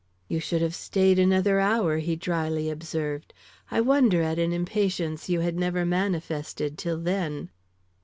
"You should have stayed another hour," he dryly observed. "I wonder at an impatience you had never manifested till then."